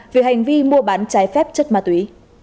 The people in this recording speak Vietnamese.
về hành vi mua bán trái phép chất ma túy